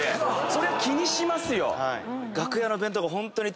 そりゃ気にしますよ。